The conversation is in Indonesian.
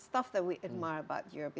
tapi hal yang bagus tentang eropa